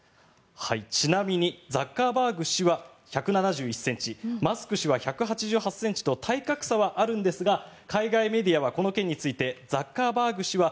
ちなみにザッカーバーグ氏は１７１ｃｍマスク氏は１８８ｃｍと体格差はあるんですが海外メディアはこの件についてザッカーバーグ氏は